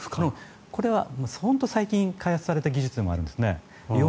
これは本当最近開発された技術でもあるんですね。